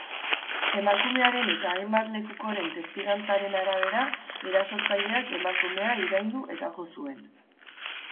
Emakumearen eta hainbat lekukoren testigantzaren arabera, erasotzaileak emakumea iraindu eta jo zuen.